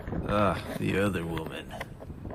Ah, the other woman!